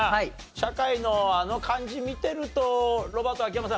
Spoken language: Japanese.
社会のあの感じ見てるとロバート秋山さん